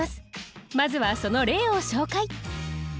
まずはその例を紹介。